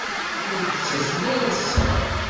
Ur d-ttasen ara ass-a.